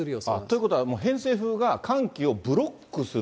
ということは偏西風が寒気をブロックする？